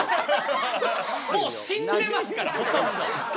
もう死んでますからほとんど。